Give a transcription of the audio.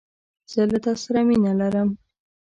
زه له تاسره مینه لرم